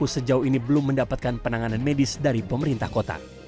sejauh ini belum mendapatkan penanganan medis dari pemerintah kota